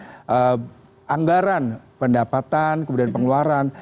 ada anggaran pendapatan kemudian pengeluaran